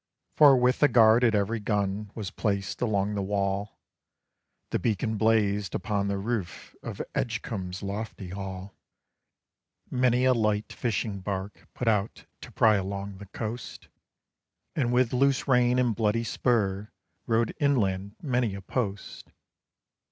Forthwith a guard at every gun was placed along the wall; The beacon blazed upon the roof of Edgecumbe's lofty hall; Many a light fishing bark put out to pry along the coast, And with loose rein and bloody spur rode inland many a post.